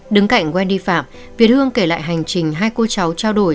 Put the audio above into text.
đứng cảnh quen đi phạm việt hương kể lại hành trình hai cô cháu trao đổi